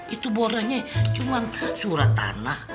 itu bornernya cuma surat tanah